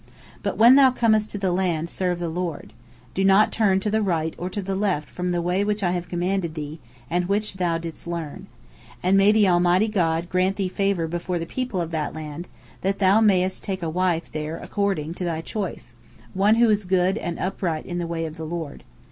But when thou comest to the land, serve the Lord. Do not turn to the right or to the left from the way which I commanded thee, and which thou didst learn. And may the Almighty God grant thee favor before the people of the land, that thou mayest take a wife there according to thy choice, one who is good and upright in the way of the Lord.